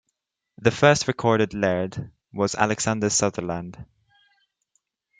The first recorded laird was Alexander Sutherland.